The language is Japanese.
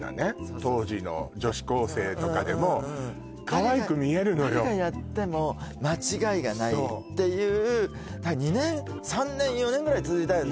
当時の女子高生とかでもかわいく見えるのよっていう２年３年４年ぐらい続いたよね